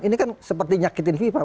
ini kan seperti nyakitin vieper